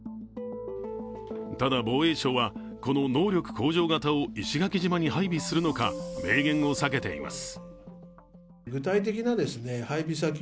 ただ、防衛省はこの能力向上型を石垣島に配備するのか明言を避けています。